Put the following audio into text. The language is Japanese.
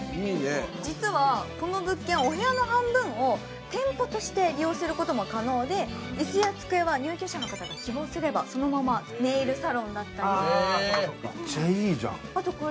実はこの物件お部屋の半分を店舗として利用することも可能で、椅子や机は入居者の方が希望すればそのまま、ネイルサロンだったり。